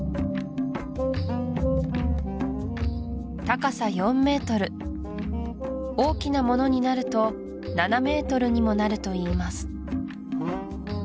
高さ４ｍ大きなものになると７ｍにもなるといいます